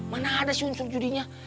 mana ada sih unsur judinya